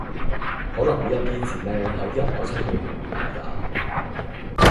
可能呢一啲錢呢，係啲人攞出嚟去移民㗎